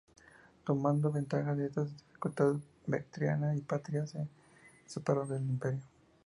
Tomando ventaja de estas dificultades, Bactriana y Partia se separaron del imperio.